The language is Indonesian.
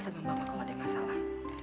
sama mama kalau ada masalah